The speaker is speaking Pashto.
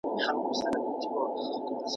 او پر مځکه دي وجود زیر و زبر سي ,